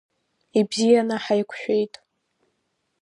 Ибзианы ҳаиқәшәеит.